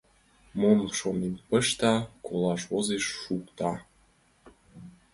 Мом шонен пышта, колаш возеш — шукта.